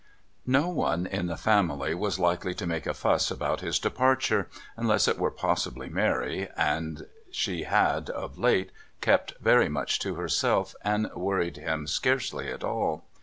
No one in the family was likely to make a fuss about his departure, unless it were possibly Mary, and she had, of late, kept very much to herself and worried him scarcely at all.